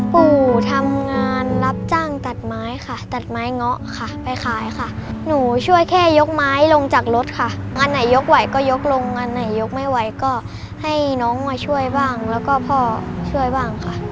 ปู่ทำงานรับจ้างตัดไม้ค่ะตัดไม้เงาะค่ะไปขายค่ะหนูช่วยแค่ยกไม้ลงจากรถค่ะงานไหนยกไหวก็ยกลงงานไหนยกไม่ไหวก็ให้น้องมาช่วยบ้างแล้วก็พ่อช่วยบ้างค่ะ